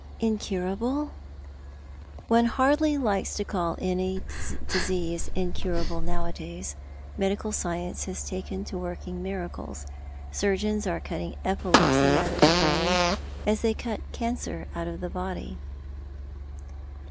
"Incurable?" " One hardly likes to call any disease incurable nowadays. Medical science has taken to working miracles. Surgeons are cutting epilepsy out of the brain as they cut cancer out of the body."